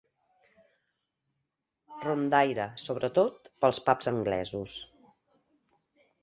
Rondaire, sobretot pels pubs anglesos.